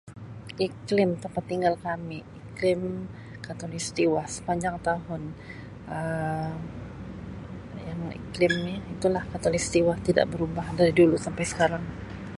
Iklim tempat tinggal kami Um iklim Khatulistiwa sepanjang tahun Um iklim ni itu lah khatulistiwa tidak berubah dari dulu sampai sekarang.